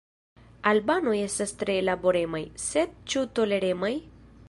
Albanoj estas tre laboremaj, sed ĉu toleremaj?